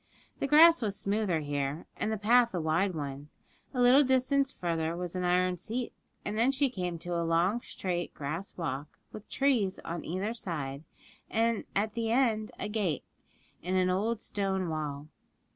The grass was smoother here, and the path a wide one; a little distance farther was an iron seat, and then she came to a long, straight grass walk, with trees on either side, and at the end a gate, in an old stone wall.